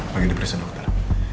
pagi dia beresan dokter